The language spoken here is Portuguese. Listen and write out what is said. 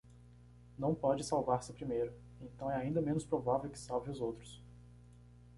Não pode salvar-se primeiro, então é ainda menos provável que salve os outros